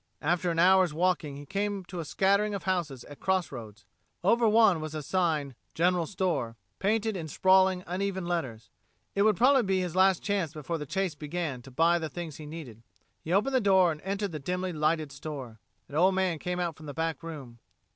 After an hour's walking he came to a scattering of houses at a cross roads. Over one was a sign "General Store," painted in sprawling, uneven letters. It would probably be his last chance before the chase began to buy the things he needed. He opened the door and entered the dimly lighted store. An old man came out from the back room.